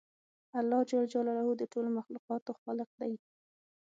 الله جل جلاله د ټولو مخلوقاتو خالق دی